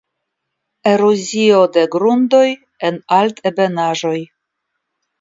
Erozio de grundoj en altebenaĵoj.